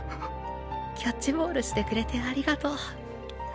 キャッチボールしてくれてありがとう。